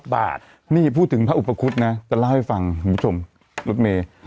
บาทนี่พูดถึงพระอุปคุฎนะจะเล่าให้ฟังคุณผู้ชมรถเมย์